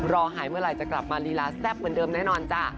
รอหายเมื่อไหร่จะกลับมาลีลาแซ่บเหมือนเดิมแน่นอนจ้ะ